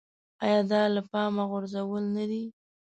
ایا دا له پامه غورځول نه دي.